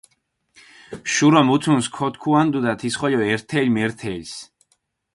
შურო მუთუნს ქოთქუანდუდა, თის ხოლო ერთელ-მერთელს.